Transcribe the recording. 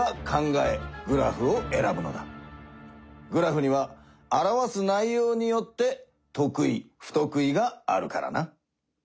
グラフには表す内ようによってとく意ふとく意があるからな。